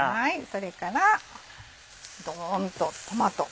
それからドンとトマト。